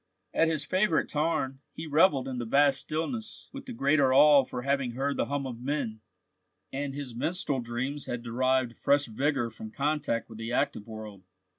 At his favourite tarn, he revelled in the vast stillness with the greater awe for having heard the hum of men, and his minstrel dreams had derived fresh vigour from contact with the active world.